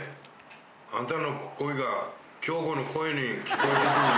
あんたの声が京子の声に聞こえてくるね。